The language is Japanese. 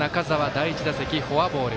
第１打席、フォアボール。